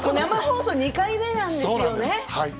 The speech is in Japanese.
生放送２回目なんですね。